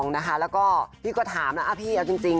แล้วก็พี่ถามพี่เอ่ยเอาจริง